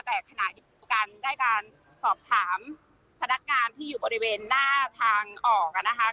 แต่ขณะการได้การสอบถามพนักงานที่อยู่บริเวณหน้าทางออกนะคะ